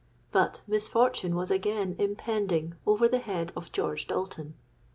But misfortune was again impending over the head of George Dalton.